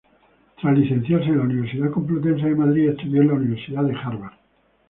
Tras licenciarse en la Universidad Complutense de Madrid, estudió en la Universidad de Harvard.